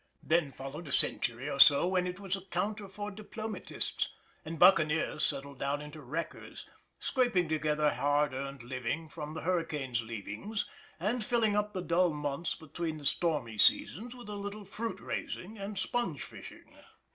Then followed a century or so when it was a counter for diplomatists, and buccaneers settled down into wreckers, scraping together hard earned living from the hurricanes' leavings, and filling up the dull months between the stormy seasons with a little fruit raising and sponge fishing.